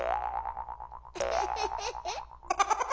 フフフフフ。